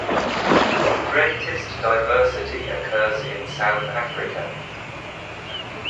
The greatest diversity occurs in South Africa.